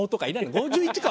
５１か？